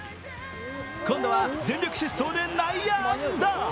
今度は全力疾走で内野安打。